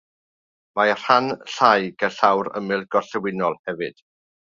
Mae rhan llai gerllaw'r ymyl gorllewinol hefyd.